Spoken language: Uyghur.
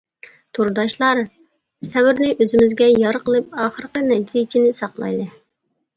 تورداشلار، سەۋرنى ئۆزىمىزگە يار قىلىپ، ئاخىرقى نەتىجىنى ساقلايلى!